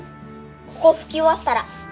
ここ拭き終わったら。